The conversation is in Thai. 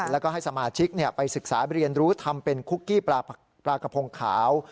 แล้วก็ให้สมาชิกไปศึกษาเรียนรู้ทำเป็นคุกกี้ปลากระพงขาว